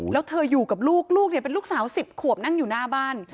แล้วเธออยู่กับลูกลูกเป็นลูกสาว๑๐ขวบนั่งอยู่หน้าบ้าน